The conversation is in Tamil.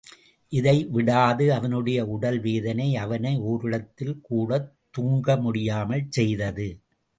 இடைவிடாத அவனுடைய உடல்வேதனை அவனை ஓரிடத்தில் கூடத்துங்க முடியாமல் செய்தது.